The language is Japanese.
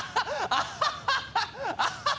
アハハハッ！